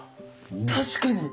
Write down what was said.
確かに！